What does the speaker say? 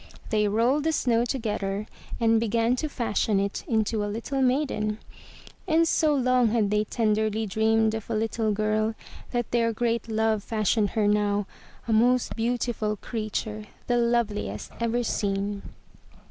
They rolled the snow together and began to fashion it into a little maiden. And so long had they tenderly dreamed of a little girl, that their great love fashioned her now a most beautiful creature — the loveliest ever seen.